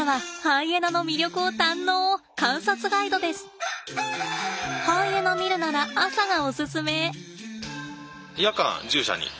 ハイエナ見るなら朝がおすすめ！